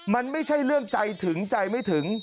มันไม่ใช่เรื่องใจถึงใจไม่ถึง